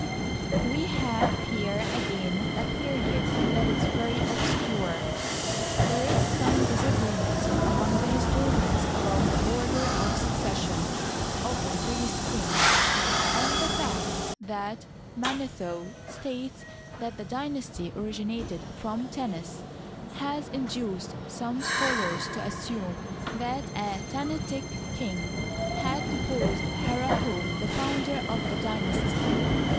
We have here again a period that is very obscure. There is some disagreement among historians about the order of succession of the priest kings ; and the fact that Manetho states that the dynasty originated from Tanis has induced some scholars to assume that a Tanitic king had deposed Herihor, the founder of the dynasty.